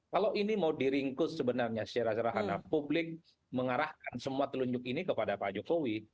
kalau ini mau diringkus sebenarnya secara sederhana publik mengarahkan semua telunjuk ini kepada pak jokowi